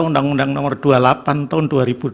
undang undang nomor dua puluh delapan tahun dua ribu dua